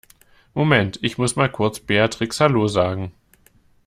Moment, ich muss mal kurz Beatrix Hallo sagen.